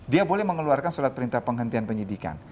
dia boleh mengeluarkan surat perintah penghentian penyidikan